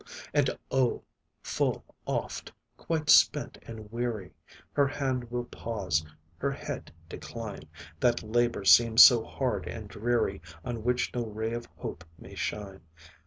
And oh! full oft, quite spent and weary, Her hand will pause, her head decline; That labour seems so hard and dreary, On which no ray of hope may shine.